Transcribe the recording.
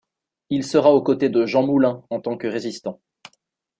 Il sera au côté de Jean Moulin en tant que résistant.